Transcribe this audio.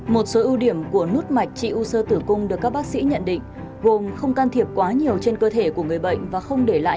một lần nữa xin được cảm ơn những chia sẻ của bác sĩ